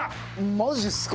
マジっすか？